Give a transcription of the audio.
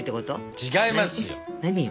違いますよ！